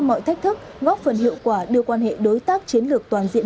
mọi thách thức góp phần hiệu quả đưa quan hệ đối tác chiến lược toàn diện